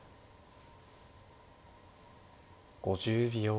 ５０秒。